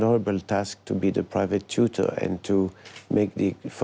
และติดตามโรงเรียนจนถึงโรงเรียน